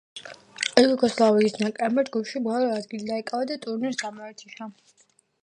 იუგოსლავიის ნაკრებმა ჯგუფში ბოლო ადგილი დაიკვა და ტურნირს გამოეთიშა.